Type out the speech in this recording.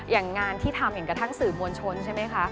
งานที่ทำอย่างกระทั่งสื่อมวลชนใช่ไหมคะ